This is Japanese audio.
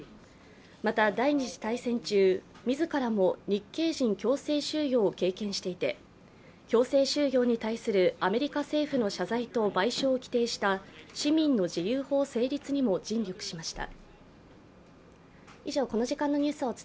また、第二次大戦中、自らも日系人強制収容を経験していて強制収容に対するアメリカ政府の謝罪と賠償を規定した市民の自由法成立にも尽力しました。